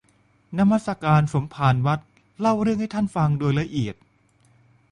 นมัสการสมภารวัดเล่าเรื่องให้ท่านฟังโดยละเอียด